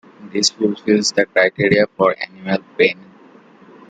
This fulfills the criteria for animal pain.